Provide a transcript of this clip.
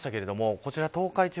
こちら東海地方